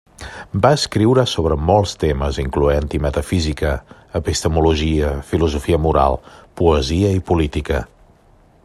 Va escriure sobre molts temes, incloent-hi metafísica, epistemologia, filosofia moral, poesia i política.